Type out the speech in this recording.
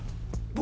僕。